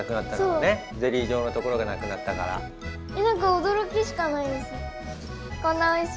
おどろきしかないです。